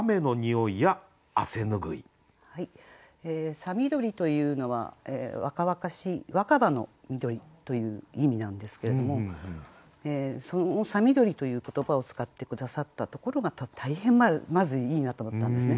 「さ緑」というのは若々しい若葉の緑という意味なんですけれどもその「さ緑」という言葉を使って下さったところが大変まずいいなと思ったんですね。